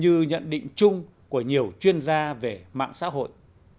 như nhận định chung của nhiều chuyên gia về mạng xã hội